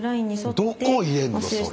どこ入れんの⁉それ。